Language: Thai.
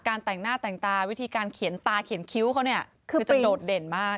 แต่งหน้าแต่งตาวิธีการเขียนตาเขียนคิ้วเขาเนี่ยคือจะโดดเด่นมาก